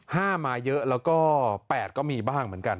๕หมายเยอะแล้วก็๘ก็มีบ้างเหมือนกัน